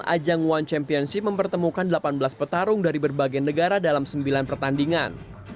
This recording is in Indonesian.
ajang one championship mempertemukan delapan belas petarung dari berbagai negara dalam sembilan pertandingan